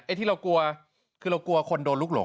ที่เรากลัวคือเรากลัวคนโดนลูกหลง